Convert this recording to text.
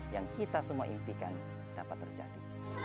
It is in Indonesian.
yang kita semua impikan dapat terjadi